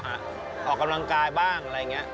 ออกกำลังกายบ้างอะไรอย่างนี้